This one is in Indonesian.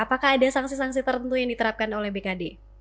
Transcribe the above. apakah ada sanksi sanksi tertentu yang diterapkan oleh bkd